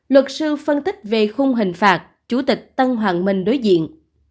luật sư phân tích về khung hình phạt chủ tịch tân hoàng minh đối diện